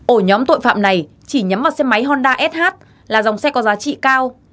ổ nhóm tội phạm này chỉ nhắm vào xe máy honda sh là dòng xe có giá trị cao